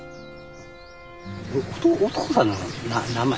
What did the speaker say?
お父さんの名前？